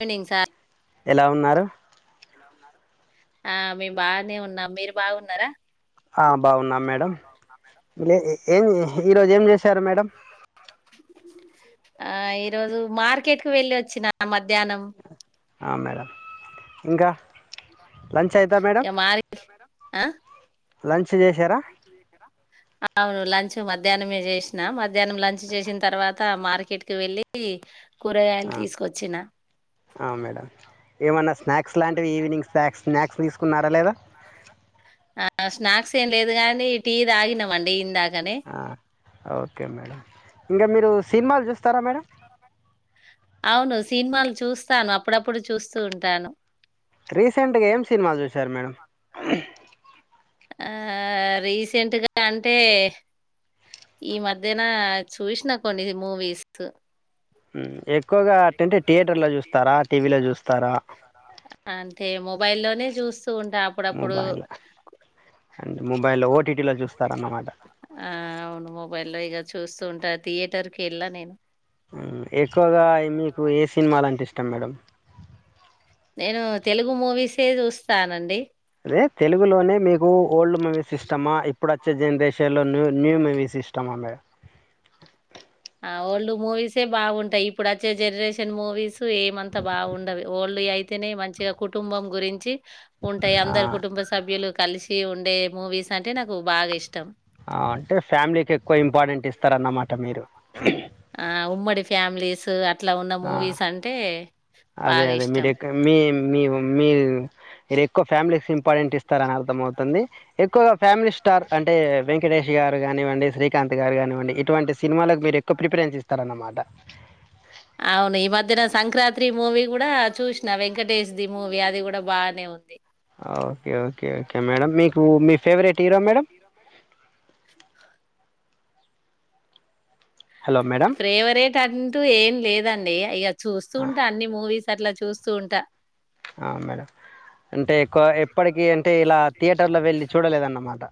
Evening sir ఎలా ఉన్నారు ఆ మేం బాగానే ఉన్నాం మీరు బాగున్నారా ఆ బాగున్నాం మేడం ఏం ఈరోజు ఏం చేశారు మేడం ఆ ఈరోజు మార్కెట్ కు వెళ్ళి వచ్చిన మధ్యాహ్నం ఆ మేడం ఇంకా లంచ్ అయిందా మేడంమ్ ఇక మార్ ఆ లంచ్ చేశారా అవును లంచ్ మధ్యాహ్నం ఏ చేసినా మధ్యాహ్నం లంచ్ చేసిన తర్వాత మార్కెట్ కి వెళ్ళి కూరగాయలు ఆ తీసుకొచ్చిన ఏమైన్నా స్నాక్స్ లాంటివి ఈవినింగ్ స్నాక్స్ స్నాక్స్ తీసుకున్నారా లేదా ఆ ఆ స్నాక్స్ ఏం లేదు గాని టీ తాగినమండి ఇందాక ఓకే మేడం ఇంకా మీరు సినిమాలు చూస్తారా మేడం అవును సినిమాలు చూస్తాను అప్పుడప్పుడు చూస్తూ ఉంటాను రీసెంట్గా ఏం సినిమా చూసారు మేడం ఆ రీసెంట్గా అంటే ఈ మధ్యన చూసిన కొన్ని మూవీస్ ఎ [unintelligible] చూస్తారా అంటే మొబైల్లోనే చూస్తూ ఉంటా అప్పుడప్పుడు మబైలో ఓటీటిలో చూ ఆ అవును మొబైల్ లో ఇక చూస్తూ ఉంటా థియేటర్ కి వెళ్ళ నేను ఎక్కువగా మీకు ఏ సినిమాలంటే ఇష్టం మేడం నేను తెలుగు మూవీసే చూస్తానండి అదే తెలుగులోనే మీకు ఓల్డ్ మూవీసిస్టమ్మా ఇప్పుడు వచ్చే జనరేషన్లో న్యూ న్యూ మువీస్ ఇష్టమా మేడమ్ ఆ ఓల్డ్ మూవీసే బాగుంటాయి ఇప్పుడు వచ్చే జనరేషన్ మూవీస్ ఏమంతా బాగుండవి ఓల్డ్ అయి తేనే మంచిగా కుటుంబం గురించి ఉంటాయి ఆ, అందరు కుటుంబ సభ్యులు కలిసి ఉండే మూవీస్ అంటే నాకు బాగా ఇష్టం అంటే ఫ్యామిలీకి ఎక్కువ ఇంపార్టెంట్ ఇస్తారన్నమాట మీరు ఆ ఉమ్మడి ఫ్యామిలీస్ అట్లా ఉన్న ఆ మూవీస్ అంటే అదే బాగా అదే ఇష్టం మీరే మీ మీ మీ ఇది ఎక్కువ ఫ్యామిలీ ఇంపార్టెంట్ ఇస్తార అని అర్థం అవుతుంది ఎక్కువగా ఫ్యామిలీ స్టార్ అంటే వెంకటేష్ గారు కానివ్వండి శ్రీకాంత్ గారు కానివ్వండి ఇటువంటి సినిమాలకు మీరు ఎక్కువ ప్రిఫరెన్స్ ఇస్తారన్నమాట అద అవును ఈ మధ్యన సంక్రాంతి మూవీ కూడా చూసిన వెంకటేష్ ది మూవీ అది కూడా బాగానే ఉంది ఓకే ఓకే ఓకే మేడం మీకు మీ ఫేవరెట్ హీరో మేడం కా హలో మేడం ఫేవరేట్ అంటూ ఏం లేదండి ఇగా చూస్తూ ఉంటే అన్ని మూవీస్ అట్లా చూస్తూ ఉంటా ఆ మేడం అంటే ఎప్పటికీ అంటే ఇలా థియేటర్లో వెళ్ళి చూడలేదన్నమాట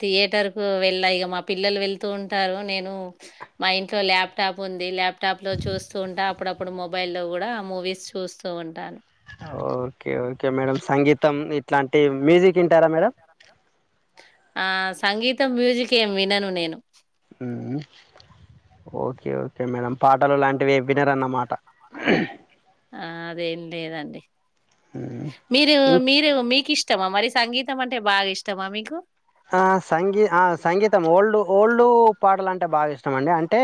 థియేటర్ కు వెళ్ళా ఇగా మా పిల్లలు వెళ్తూ ఉంటారు నేను మా ఇంట్లో ల్యాప్టాప్ ఉంది ల్యాప్ ల్యాప్టాప్లో చూస్తూ ఉంటా అప్పుడప్పుడు మొబైల్లో కూడా మూవీస్ చూస్తూ ఉంటాను ఓకే ఓకే మేడం సంగీతం ఇట్లాంటి మ్యూజిక్ వింటారా మేడం ఆ సంగీతం మ్యూజిక్ ఏం వినను నేను ఉ ఓకే ఓకే మేడం పాటలు లాంటివి వినరన్నమాట ఆ అదేం లేదండి హ్మ్. మీరు ఇం మీరు మీకు ఇష్ట ఇష్టమా మరి సంగీతం అంటే బాగా ఇష్టమా మీకు ఆ సంగీ ఆ సంగీతమ్ ఓల్డు ఓల్డు పాటలంటే బాగా ఇష్టం అండి అంటే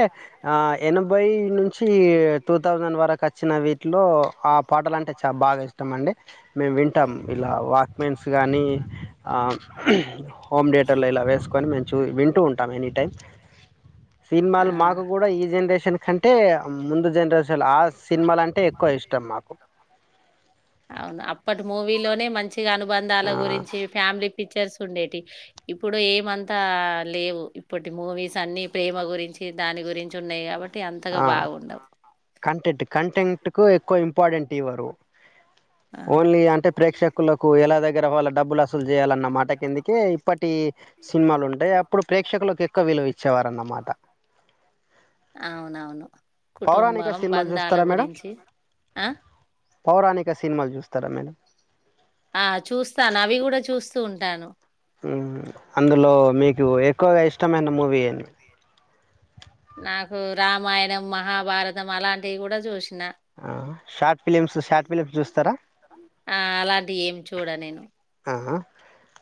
ఎనభై నుంచి టూ థౌజండ్ వరకు వచ్చిన వీటిలో ఆ పాటలు అంటే చాలా బాగా ఇష్టం అండి మేము వింటాం ఇలా వాక్మెన్స్ కానీ హోమ్ థియేటర్లో ఇలా వేసుకొని మేము చూ వింటూ ఉంటాం ఎనీ టైమ్ సినిమాలు ఆ! మాకు కూడా ఈ జనరే షన్ కంటే ముందు జనరేషన్ ఆ సినిమాల అంటే ఎక్కువ ఇష్టం మాకు అవును అప్పటి మూవీలోనే మంచిగా అనుబంధాల ఆ గురించి ఫ్యామిలీ పిక్చర్స్ ఉండేటి ఇప్పుడు ఏమంతా లేవు ఇప్పటి మూవీస్ అన్ని ప్రేమ గురించి దాని గురించి ఉన్నాయి కాబట్టి అంతగా ఆ బాగుండవు. కంటెంట్ కంటెంట్ కంటెంట్ కు ఎక్కువ ఇంపార్టెంట్ ఇవ్వరు ఆ! ఓన్లీ అంటే ప్రేక్షకులకు ఎ వాళ్ళ డబ్బులు వసూలు చేయాలన్న మాట కిందికే ఇప్పటి సినిమాలు ఉంటాయి అప్పుడు ప్రేక్షకులకు ఎక్కువ విలువ ఇచ్చేవారు అన్నమాట అవునవును పౌరాణిక కుటుంబం సినిమాలు బంధాల చూస్తారా మేడం గురించి ఆ పౌరాణిక సినిమాలు చూస్తారా మేడం ఆ చూస్తాను అవి కూడా చూస్తూ ఉంటాను ఊ అందులో మీకు ఎక్కువగా ఇష్టమైన మూవీ ఏది నాకు రామాయణం మహాభారతం అలాంటివి కూడా చూసినా ఆ, షార్ట్ ఫిలిమ్స్ షార్ట్ ఫిలిమ్స్ చూస్తారా నా అలాంటి ఏమి చూడాను నేను ఆ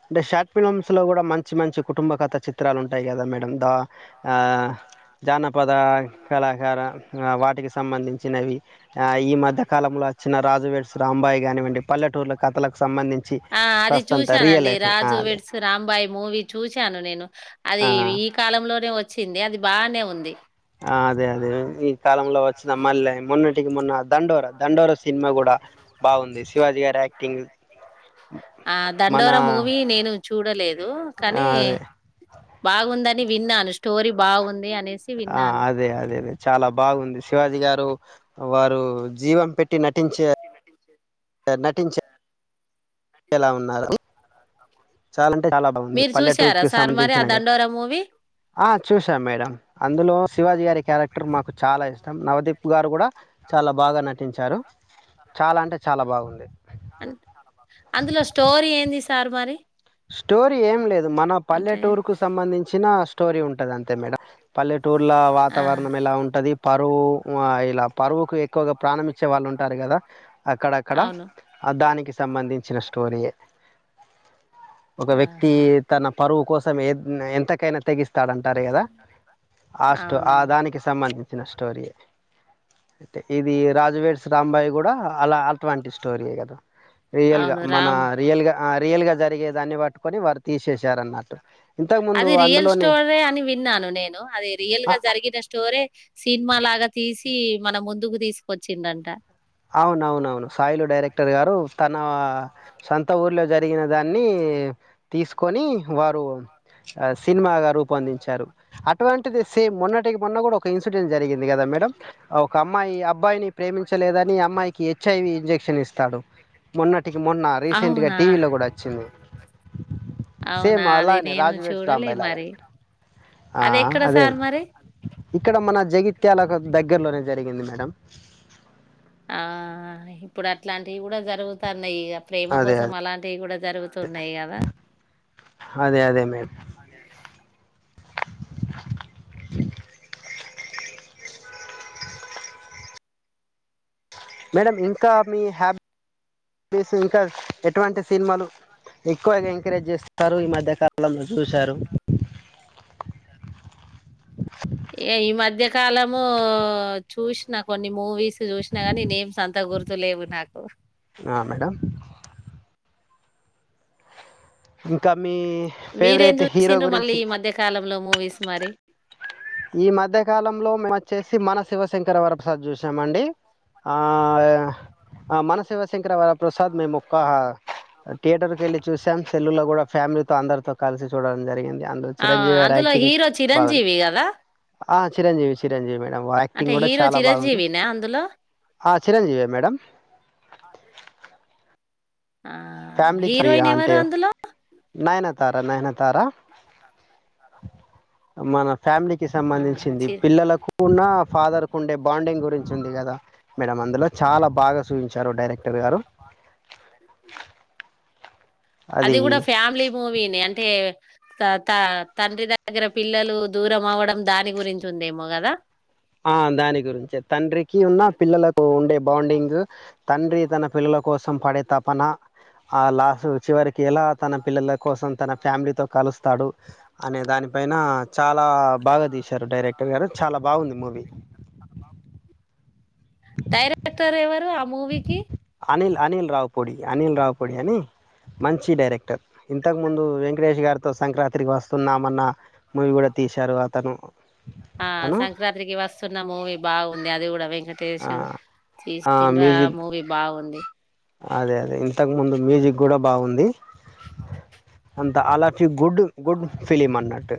అంటే షార్ట్ ఫిలిమ్స్లో కూడా మంచి మంచి కుటుంబ కథ చిత్రాలు ఉంటాయి కదా మేడం ద ఆ జానపద కళాకార వాటికి సంబంధించినవి ఈ మధ్య కాలంలో చిన్న రాజువేడ్స్ రాంబాయి కానివ్వండి పల్లెటూరుల కథలకు సంబంధించి ఆ అది కాస్తంత రియల్ చూశానుండి లైఫ్ రాజు అదే విడ్స్ రాంబాయి మూవీ చూశాను నేను ఆ, అది ఈ కాలంలో లోనే వచ్చింది అది బాగానే ఉంది అదే అదే ఈ కాలంలో వచ్చినా మళ్ళీ మో ఇగ మొన్న దండోర దండోర సినిమా కూడా బాగుంది శివాజీ గారి యాక్టింగ్ ఆ మన దండోర మూవీ నేను చూడలేదు ఆ, కానీ అదే బాగుందని విన్నాను స్టోరీ బాగుంది అనేసి ఆ విన్నాను అదే అదే లే చాలా బాగుంది శివాజీ గారు వారు జీవం పెట్టి నటించే నటించే ఎలా ఉన్నారు చాలా అంటే చాలా బాగుంది మీరు చూసారా పల్లెటూరుకి సార్ మరి ఆ సంబంధించిన కదా దండోరా మూవీ ఆ చూసాం మేడం అందులో శివాజీ గారి క్యారెక్టర్ మాకు చాలా ఇష్టం నవదీప్ గారు కూడా చాలా బాగా బాగా నటించారు చాలా అంటే చాలా బాగుంది అందులో స్టోరీ ఏంది సార్ మరి స్టోరీ ఏం లేదు మన అంటే పల్లెటూర్కు సంబంధించిన స్టోరీ ఉంటది అంతే మేడం పల్లె టూర్ల ఆ వాతావరణం ఎలా ఉంటది పరువు ఇలా పరువుకు ఎక్కువగా ప్రాణం వచ్చే వాళ్ళు ఉంటారు కదా అక్కడక్కడ అవును దానికి సంబంధించిన స్టోరీయే ఒక వ్యక్తి ఆహా తన పరువు కోసం ఎ ఎంతకైనా తెగిస్తాడంటారు కదా ఆ స్టో ఆ అవునవును దానికి సంబంధించిన స్టోరీయే అంటే ఇది రాజు రాజు వెడ్స్ రాంబాయ్ కూడా అలా అటువంటి స్టోరీయే కదా రియల్ గా అవును మన రామ్ రియల్ గా ఆ రియల్ గా జ జరిగేదాన్ని పట్టుకొని వారు తీసేసారు అన్నట్టు ఇంతకు ముందు అది రియల్ అందులోనే స్టోరే అని విన్నాను నేను అది రియల్ గా ఆ, జరిగిన స్టోరీ సినిమా లాగా తీసి మన ముందుకు తీసుకొచ్చిండంట అవునవును సాయిలో డైరెక్ట్ ర్ గారు తన సొంత ఊర్లో జరిగిన దాన్ని తీసుకొని వారు సినిమాగా రూపొందించారు అటువంటిది సేమ్ మొన్నటి మొన్న కూడా ఒక ఇన్సిడెంట్ జరిగింది కదా మేడం ఒక అమ్మాయి అబ్బాయిని ప్రేమించలేదని అమ్మాయికి హెచ్ఐవి ఇంజెక్షన్ ఇస్తాడు మొన్నటికి మొన్న రీసెంట్ గా అవునా టీవీలో కూడా వచ్చింది అవునా సేమ్ అది అలానే నేను రాజు వెడ్స్ చూడలే రాంబాయి లాగా మరి అది ఎక్కడ సార్ మరి ఇక్కడ మన జగిత్యాలకు దగ్గర్లోనే జరిగింది మేడం ఆ ఇప్పుడు అట్లాంటివి కూడా జరుగుతా న్నాయి ప్రేమ అదే. కోసం అదే. అలాంటివి కూడా జరుగుతున్నాయి కదా అదే. అదే మే ఆ మేడం ఇంకా మీ హ్యాబి ట్స్ ఇంకా ఎటువంటి సినిమాలు ఎక్కువగా ఎంకరేజ్ చేస్త స్తారు ఈ మధ్య కాలంలో చూశారు ఏ ఈ మధ్యకాలము చూసిన కొన్ని మూవీస్ చూసినా కానీ నేమ్స్ అంత గుర్తు లేవు నాకు ఆ, మేడం ఇంకా మీ మీరేం ఫేవరెట్ హీరో చూసిండ్రు మళ్ళీ గురించి ఈ మధ్య కాలంలో మూవీస్ మరి ఈ మధ్య కాలంలో మేము వచ్చేసి మన శివశంకర వరప్రసాద్ చూసామండి ఆ మన శివశంకర వరప్రసాద్ మేం ఒక థియేటర్ కెళ్ళి చూసాం సెల్లులో కూడా ఫ్యామిలీతో అందరితో కలిసి చూడడం జరిగింది యందో ఆ చిరంజీవిగారి అందులో ఆక్టింగ్ హీరో బాగుంది చిరంజీవి కదా ఆ చిరంజీవి చిరంజీవి మేడం అంటే యాక్టింగ్ కూడా హీరో చాలా బాగుంది చిరంజీవినా అందులో హా చిరంజీవి ఏ మేడం ఆ ఫ్యామిలీ ఫ్రీ ఆ హీరోయిన్ ఎవరు అంటే అందులో నైనతారా నైనతారా మన ఫ్యామిలీకిి ఆహా సంబంధించింది చి పిల్లలకు ఉన్న ఫాదర్ కు ఉండే బాండింగ్ గురించి ఉంది కదా మేడం అందులో చాలా బాగా చూచించారు డైరెక్ట్ చాలా బాగా డైారు అది కూడా ఫ్యామిలీ మూవీనే అంటే త తండ్రి దగ్గర పిల్లలు దూరం అవ్వడం దాని గురించి ఉందేమో కదా ఆ దాని గురించే తండ్రికి ఉన్నా పిల్లలకు ఉండే బాండింగ్ తండ్రి తన పిల్లల కోసం పడే తపన ఆ లాస్ చివరకి ఎలా తన పిల్లల కోసం తన ఫ్యామిలీతో కలుస్తాడు అనే దానిపైన చాలా బాగా తీశారు డైరెక్టర్ గారు చాలా బాగుంది మూ వీ డైరెక్టర్ ఎవరు ఆ మూవీకి అనిల్ అనిల్ రావుపొడి అనిల్ రావు పొడి అని మంచి డైరెక్టర్ ఇంతకు ముందు వెంకటేష్ గారితో సంక్రాంతికి వస్తున్నామన్న మూవీ కూడా తీశారు అతను ఆ తను సంక్రాంతికి వస్తున్న మూవీ బాగుంది అది కూడా వెంకటే ఆ తీసు [unintelligible] టే ఆ మూవీ బాగుంది అదే అదే ఇంతకు ముందు మ్యూజిక్ కూడా బాగుంది [unintelligible] అంత అలాచి గుడ్ గుడ్ ఫీలిమ్ అన్నట్టు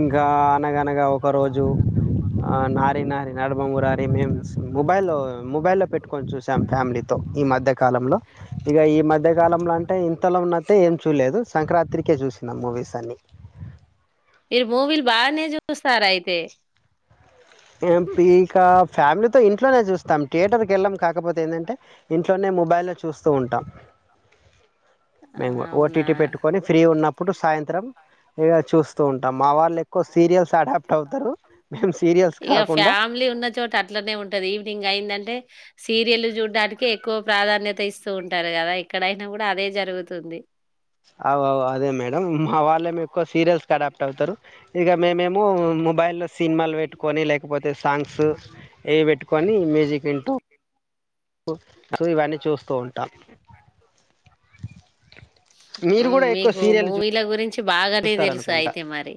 ఇంకా అనగనగా ఒకరోజు ఆ నారి నారి నడుమమురారి మేము మొబైల్ మొబైల్లో పెట్టుకు చూసాం ఫ్యామిలీతో ఈ మధ్య కాలంలో ఇక ఈ మధ్య కాలంలో అంటే ఇంతలో ఉన్నంటే ఏం చూలే లేదు సంక్రాంతికే చూసినా మూవీస్ అన్ని మీరు మూవీలు బానే చూస్తార అయితే ఇక ఫ్యామిలీతో ఇంట్లోనే చూస్తాం థియేటర్కి వెళ్ళాం కాకపోతే ఏంది అంటే ఇంట్లోనే మొబైలో చూస్తూవుటం ఆ, మెము ఓటీటీ అవునా పెట్టుకొని ఫ్రీ ఉన్నప్పుడు సాయంత్రం ఇగా చూస్తూ ఉంటా అ మా వాళ్ళు ఎక్కువ సీరియల్స్ అడాప్ట్ అవుతారు మేము సీరియల్స్ ఇక కాకుండా ఫ్యామిలీ ఉన్న చోట అట్లనే ఉంటది ఈవినింగ్ అయిందంటే సీరియల్ చూడ్డానికి ఎక్కువ ప్రాధాన్యత ఇస్తూ ఉంటారు కదా ఎక్కడైనా కూడా అదే జరుగుతుంది అవు అవు అదే మేడం మా వాళ్ళే ఎక్కువ సీరియల్స్ క అడాప్ట్ అవుతారు ఇక మేమేమో మొబైల్ లో సినిమాలు పెట్టుకని లేకపోతే అ సాంగ్స్ ఏవి పెట్టుకొని మ్యూజిక్ వింటూ సూ ఇవన్నీ చూస్తూ ఉంటా మీరు హ్మ్ కూడా ఎక్కువ మీకు సీరియల్ చూ మూవీల గురించి బాగానే చూస్తార తెలుసు అనుకుంటా అయితే మరి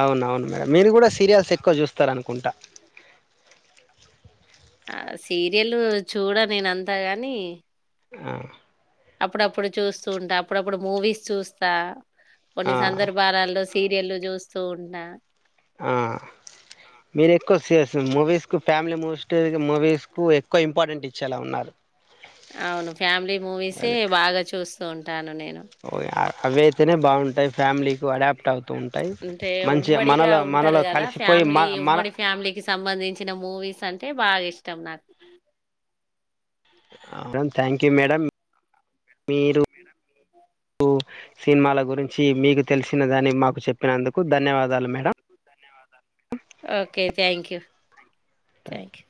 అవున అవును మేడం మీరు కూడా సీరియల్స్ ఎక్కువ చూస్తారనుకుంటా ఆ సీరియల్ చూడా నేన అంతా గాని ఆ అప్పుడప్పుడు చూస్తూ ఉంటా అప్పుడప్పుడు మూవీస్ చూస్తా కొన్ని ఆ సందర్భాలలో సీరియల్ చూస్తూ ఉంట ఆ మీరు ఎక్కువ సీరి మూవీస్ కు ఫ్యామిలీ మూస్ట్ మూవీస్ కు ఎక్కువ ఇం అవును ఫ్యామిలీ మూవీసే బాగా చూస్తూ ఉంటాను నేను ఓ అవి అయితేనే బాగుంటాయి ఫ్యామిలీకు అడాప్ట్ అవుతూ ఉంటాయి అంటే మంచిగా ఉమ్మడిగా మనలో మనలో కలిసిపోయి మన మన లికి సంబంధించిన మూవీస్ అంటే బాగా ఇష్టం నాకు అవు థ్యాంక్ యూ మేడం మీరు సినిమాల గురించి మీకు తెలిసినదని మాకు చెప్పినందుకు ధన్యవాదాలు మేడం ఓకే థ్యాంక్ థ్యాంక్